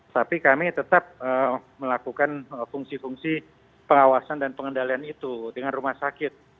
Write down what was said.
tapi kami tetap melakukan fungsi fungsi pengawasan dan pengendalian itu dengan rumah sakit